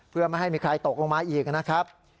เพื่อไม่ให้มีใครตกลงมาอีกนะครับ